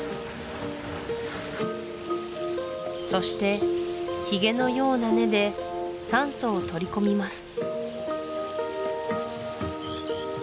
そしてヒゲのような根で酸素を取り込みます